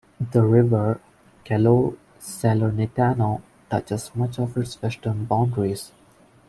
The river Calore Salernitano touches much of its western boundaries.